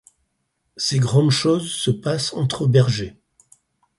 Ces grandes choses se passent entre bergers.